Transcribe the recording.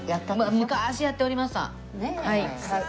昔やっておりました習字。